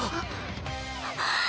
あっ！